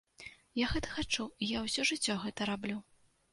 Я гэта хачу і я ўсё жыццё гэта раблю.